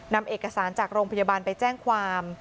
นำเอกสารจากโรงพยาบาลไปแจ้งความ